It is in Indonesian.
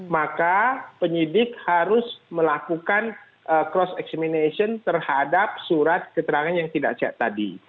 maka penyidik harus melakukan cross examination terhadap surat keterangan yang tidak sehat tadi